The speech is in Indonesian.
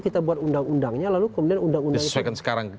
kita buat undang undangnya lalu kemudian undang undang